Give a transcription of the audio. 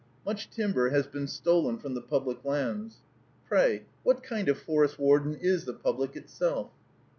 Much timber has been stolen from the public lands. (Pray, what kind of forest warden is the Public itself?)